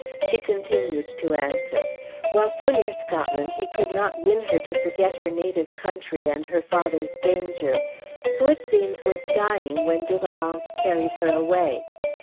She continued to answer: "While so near Scotland he could not win her to forget her native country and her father's danger, who it seems was dying when De Valence carried her away.